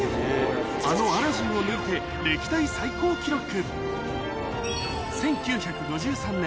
あの『アラジン』を抜いて歴代最高記録１９５３年